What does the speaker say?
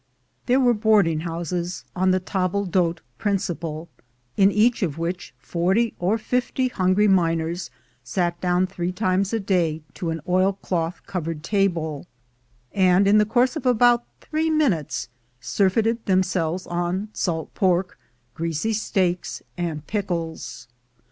(.There were boarding houses on the table d'hote principle, in each of which forty or fifty hungry miners sat down three times a day to an oilcloth covered table, and in the course of about three minutes surfeited themselves on salt pork, greasy steaks, and pickles.